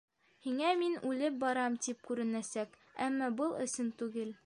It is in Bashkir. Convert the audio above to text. Һиңә мин үлеп барам тип күренәсәк, әммә был ысын түгел...